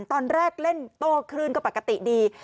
ตอนแรกเล่นโต้คลื่นก็ปกติดี